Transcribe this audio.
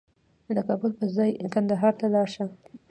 د کابل په ځای کندهار ته لاړ شه